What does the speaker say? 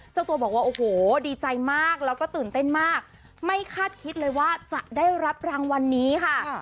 เจ้าตัวบอกว่าโอ้โหดีใจมากแล้วก็ตื่นเต้นมากไม่คาดคิดเลยว่าจะได้รับรางวัลนี้ค่ะ